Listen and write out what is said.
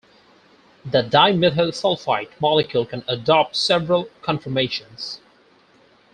The dimethyl sulfite molecule can adopt several conformations.